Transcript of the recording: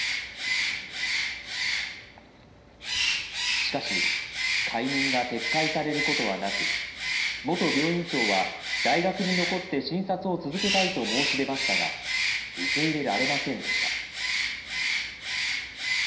しかし、解任が撤回されることはなく、元病院長は、大学に残って診察を続けたいと申し出ましたが、受け入れられませんでした。